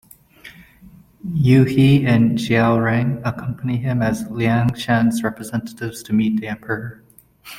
Yue He and Xiao Rang accompany him as Liangshan's representatives to meet the emperor.